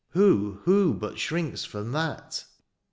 ^* Who, who but shrinks from that